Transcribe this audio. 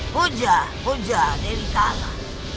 pujah pujah tewikala